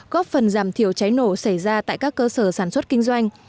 góp phần giảm thiểu cháy nổ xảy ra tại các cơ sở sản xuất kinh doanh